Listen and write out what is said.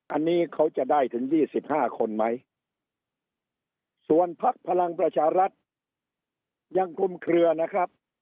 อันนี้เขาจะได้ถึง๒๕คนไหมส่วนพักพลังประชารัฐยังคลุมเคลือนะครับ